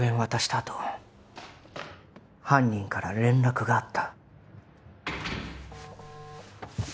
あと犯人から連絡があった